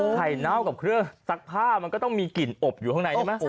เน่ากับเครื่องซักผ้ามันก็ต้องมีกลิ่นอบอยู่ข้างในใช่ไหม